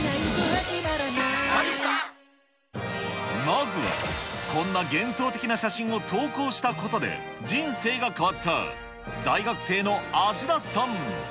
まずは、こんな幻想的な写真を投稿したことで、人生が変わった、大学生の芦田さん。